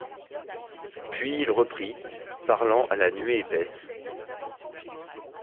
Puis il reprit, parlant à la nuée épaisse :